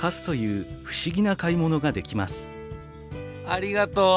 ありがとう！